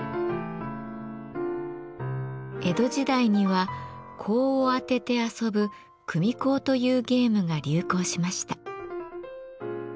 江戸時代には香を当てて遊ぶ「組香」というゲームが流行しました。